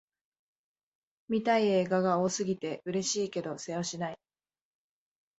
見たい映画が多すぎて、嬉しいけどせわしない